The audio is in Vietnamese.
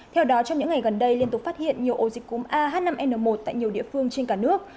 theo đó trong những ngày gần đây liên tục phát hiện nhiều ổ dịch cúm ah năm n một tại nhiều địa phương trên cả nước